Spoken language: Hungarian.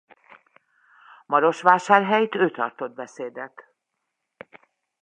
Marosvásárhelyt ő tartott beszédet.